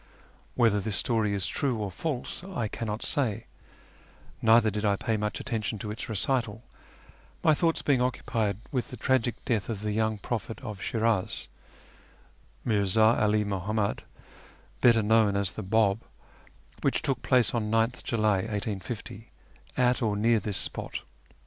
Whether this story is true or false I cannot say, neither did I pay much attention to its recital, my thoughts being occupied with the tragic death of the young prophet of Shiraz, Mirza 'Ali Muhammad, better known as the Bab, which took place on 9th July 1850, at or near this spot.